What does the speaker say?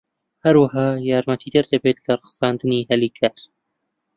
هەروەها یارمەتیدەر دەبێت لە ڕەخساندنی هەلی کار.